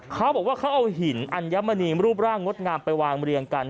เขาบอกว่าเขาเอาหินอัญมณีรูปร่างงดงามไปวางเรียงกัน